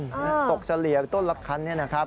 ๓๒คันตกเสรียต้นละคันนี่นะครับ